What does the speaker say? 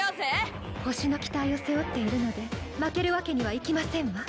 星の期待を背負っているので負けるわけにはいきませんわ。